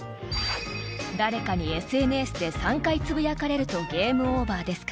［誰かにＳＮＳで３回つぶやかれるとゲームオーバーですからね］